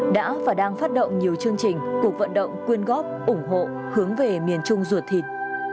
đã và đang phát động nhiều chương trình cuộc vận động quyên góp ủng hộ hướng về miền trung ruột thịt